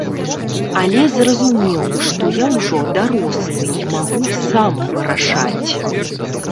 Але зразумеў, што я ўжо дарослы і магу сам вырашаць.